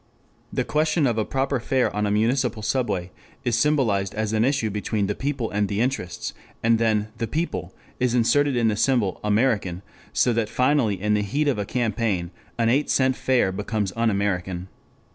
The question of a proper fare on a municipal subway is symbolized as an issue between the People and the Interests, and then the People is inserted in the symbol American, so that finally in the heat of a campaign, an eight cent fare becomes unAmerican.